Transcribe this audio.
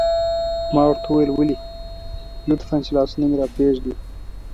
ما ورته وویل: ولې؟ لطفاً، چې لاسونه مې را پرېږدي.